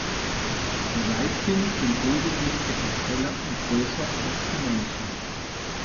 Die Weibchen sind lediglich etwas heller und größer als die Männchen.